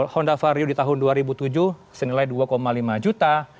honda vario di tahun dua ribu tujuh senilai dua lima juta